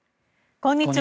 こんにちは。